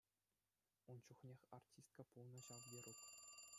Ун чухнех артистка пулнӑ ҫав Верук.